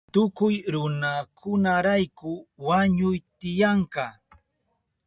Tukuy runakunarayku wañuy tiyanka.